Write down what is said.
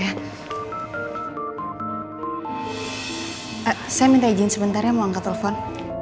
saya minta izin sebentar ya mau angkat telepon